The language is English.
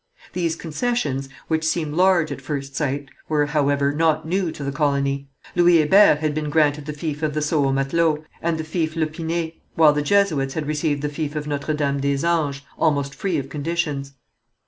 These concessions, which seem large at first sight, were, however, not new to the colony. Louis Hébert had been granted the fief of the Sault au Matelot, and the fief Lepinay, while the Jesuits had received the fief of Notre Dame des Anges almost free of conditions.